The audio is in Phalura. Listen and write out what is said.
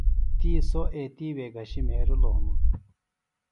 تی سوۡ ایتوے گھشیۡ مھیرِلوۡ ہِنوۡ